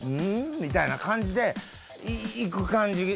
みたいな感じで行く感じ。